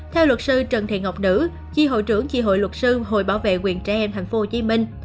theo luật sư trần thị ngọc nữ chi hội trưởng chi hội luật sư hội bảo vệ quyền trẻ em tp hcm